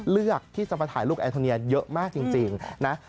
เลือกที่จะมาถ่ายรูปแอนโทเนียเยอะมากจริงนะ